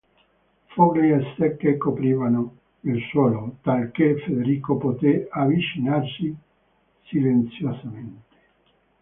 Foglie secche coprivano il suolo, talchè Federico potè avvicinarsi silenziosamente.